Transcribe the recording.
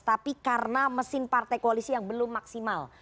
tapi karena mesin partai koalisi yang belum maksimal